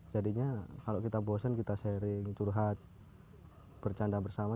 jadinya kalau kita bosen kita sharing curhat bercanda bersama